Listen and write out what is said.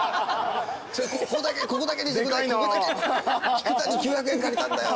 菊田に９００円借りたんだよ